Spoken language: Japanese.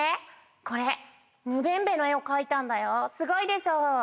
これムベンガの絵を描いたんだよ。すごいでしょう」。